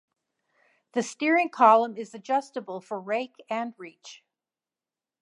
The steering column is adjustable for rake and reach.